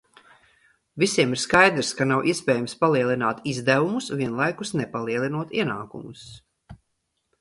Visiem ir skaidrs, ka nav iespējams palielināt izdevumus, vienlaikus nepalielinot ienākumus.